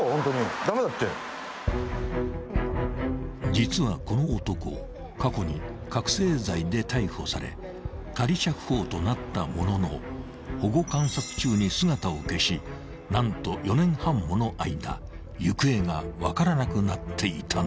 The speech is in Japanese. ［実はこの男過去に覚醒剤で逮捕され仮釈放となったものの保護観察中に姿を消し何と４年半もの間行方が分からなくなっていたのだ］